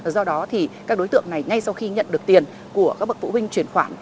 do đó thì các đối tượng này ngay sau khi nhận được tiền của các bậc phụ huynh chuyển khoản